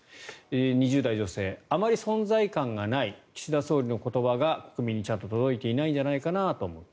２０代女性、あまり存在感がない岸田総理の言葉が国民にちゃんと届いていないんじゃないかと思います。